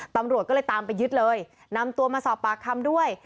ตำรวจก็เลยตามไปยึดเลยนำตัวมาสอบปากคำด้วย